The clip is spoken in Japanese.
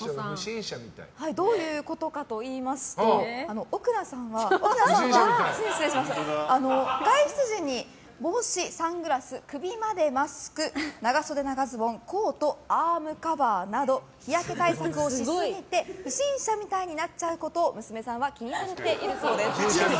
どういうことかといいますと奥菜さんは外出時に帽子サングラス、首までマスク長袖長ズボン、コートアームカバーなど日焼け対策をしすぎて不審者みたいになっちゃうことを娘さんは気にされているそうです。